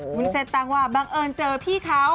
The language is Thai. วุ้นเส้นตั้งว่าบังเอิญเจอพี่เขา